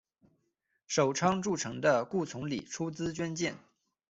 首倡筑城的顾从礼出资捐建。